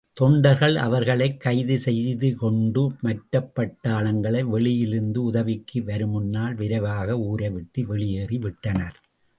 தொண்டர்கள் அவர்களைக் கைது செய்து கொண்டு மற்றப் பட்டாளங்கள் வெளியிலிருந்து உதவிக்கு வருமுன்னால், விரைவாக ஊரைவிட்டு வெளியேறி விட்டனர்.